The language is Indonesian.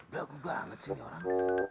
bagus banget sih ini orang